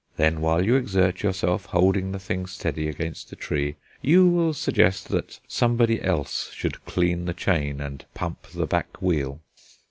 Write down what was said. Then, while you exert yourself holding the thing steady against a tree, you will suggest that somebody else should clean the chain and pump the back wheel."